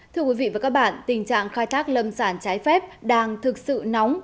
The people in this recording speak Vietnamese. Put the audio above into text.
thưa quý vị và các bạn tình trạng khai thác lâm sản trái phép đang thực sự nóng